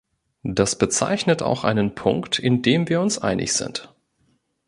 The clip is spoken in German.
Das bezeichnet auch einen Punkt, in dem wir uns einig sind.